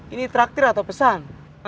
ini traktir atau pesan